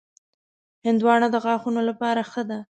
هندوانه د غاښونو لپاره ښه ده.